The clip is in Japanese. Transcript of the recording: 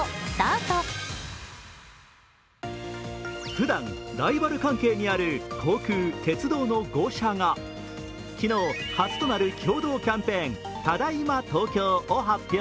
ふだん、ライバル関係にある航空・鉄道の５社が昨日、初となる共同キャンペーン、ただいま東京を発表。